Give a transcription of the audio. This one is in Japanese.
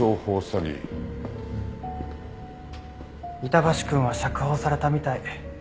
板橋くんは釈放されたみたい。